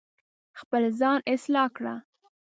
خپل ځان اصلاح کړه